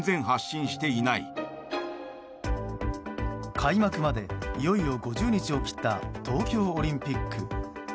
開幕までいよいよ５０日を切った東京オリンピック。